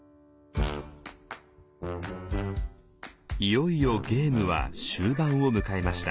いよいよゲームは終盤を迎えました。